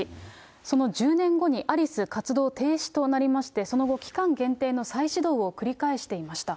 その１０年後にアリス活動停止となりまして、その後、期間限定の再始動を繰り返していました。